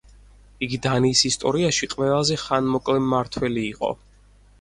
იგი დანიის ისტორიაში ყველაზე ხანმოკლე მმართველი იყო.